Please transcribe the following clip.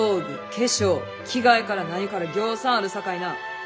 化粧着替えから何からぎょうさんあるさかいな。